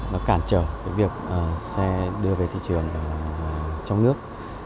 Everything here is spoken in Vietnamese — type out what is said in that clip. nó cản trở cái việc xe đưa về thị trường trong nước